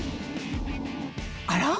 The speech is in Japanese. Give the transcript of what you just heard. あら？